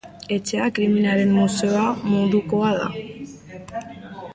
Etxea krimenaren museo modukoa da.